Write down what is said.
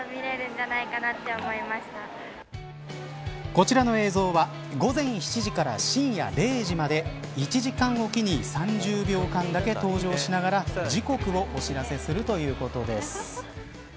こちらの映像は午前７時から深夜０時まで１時間おきに３０秒間だけ登場しながら時刻をお知らせするということです。